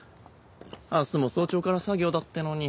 明日も早朝から作業だってのに。